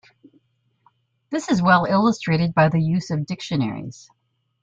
This is well-illustrated by the use of dictionaries.